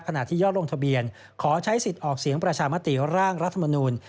ที่ยอดลงทะเบียนขอใช้สิทธิ์ออกเสียงประชามติร่างรัฐมนูล